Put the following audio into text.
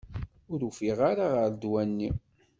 Ur ufiɣ ara ɣer ddwa-nni.